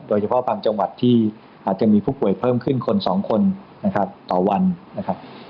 โดยเฉพาะบางจังหวัดที่อาจจะมีผู้ป่วยเพิ่มขึ้นคนสองคนนะครับต่อวันนะครับ